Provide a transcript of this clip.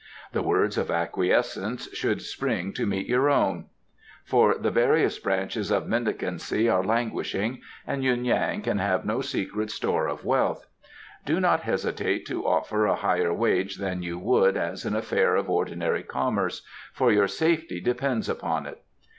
The words of acquiescence should spring to meet your own, for the various branches of mendicancy are languishing, and Yuen Yan can have no secret store of wealth. Do not hesitate to offer a higher wage than you would as an affair of ordinary commerce, for your safety depends upon it.